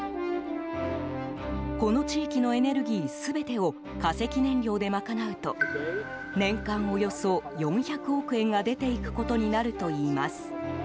この地域のエネルギー全てを化石燃料で賄うと年間、およそ４００億円が出ていくことになるといいます。